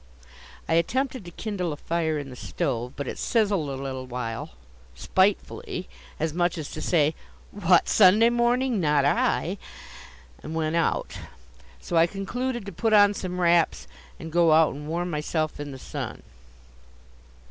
I attempted to kindle a fire in the stove, but it sizzled a little while, spitefully, as much as to say, "What, Sunday morning? Not I!" and went out. So I concluded to put on some wraps and go out and warm myself in the sun.